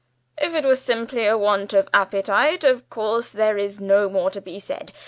If it was simply want of appetite, of course there is no more to be said.